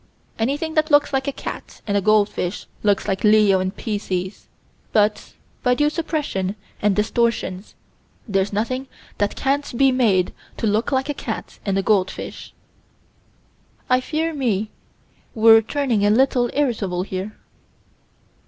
Anything that looks like a cat and a goldfish looks like Leo and Pisces: but, by due suppressions and distortions there's nothing that can't be made to look like a cat and a goldfish. I fear me we're turning a little irritable here.